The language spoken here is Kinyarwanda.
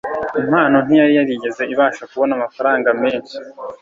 impano ntiyari yarigeze ibasha kubona amafaranga menshi